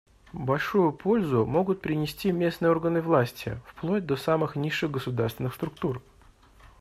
Большую пользу могут принести местные органы власти, вплоть до самых низших государственных структур.